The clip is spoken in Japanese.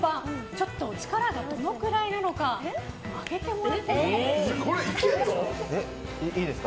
ちょっと力がどのくらいなのか曲げてもらってもいいですか？